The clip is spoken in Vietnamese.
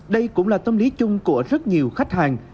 đây cũng là tâm lý chung của rất nhiều khách hàng